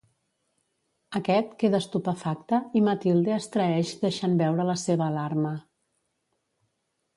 Aquest queda estupefacte i Matilde es traeix deixant veure la seva alarma.